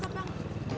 masih ya bang